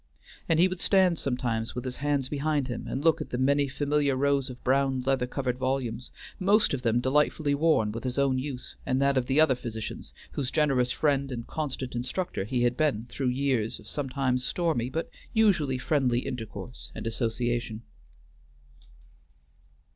And he would stand sometimes with his hands behind him and look at the many familiar rows of brown leather covered volumes, most of them delightfully worn with his own use and that of the other physicians whose generous friend and constant instructor he had been through years of sometimes stormy but usually friendly intercourse and association.